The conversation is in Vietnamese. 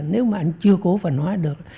nếu mà anh chưa cố phần hóa được